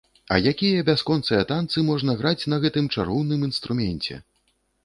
А якія бясконцыя танцы можна граць на гэтым чароўным інструменце!